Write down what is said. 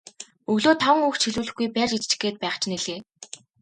Өглөө таван үг ч хэлүүлэхгүй барьж идчих гээд байх чинь билээ.